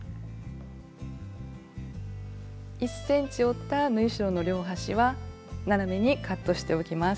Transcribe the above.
１ｃｍ折った縫い代の両端は斜めにカットしておきます。